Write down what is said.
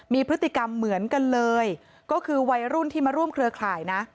มีพฤติกรรมเหมือนกันเลยก็คือวัยรุ่นที่มาร่วมเครือข่ายนะ